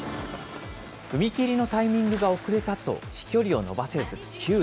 踏み切りのタイミングが遅れたと飛距離を伸ばせず、９位。